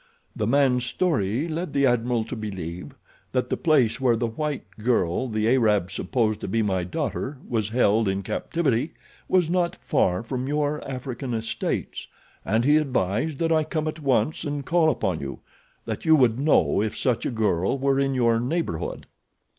The man's story led the Admiral to believe that the place where the white girl the Arab supposed to be my daughter was held in captivity was not far from your African estates, and he advised that I come at once and call upon you—that you would know if such a girl were in your neighborhood."